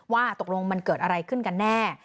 ว่าตกลงมันเกิดอะไรขึ้นกันแน่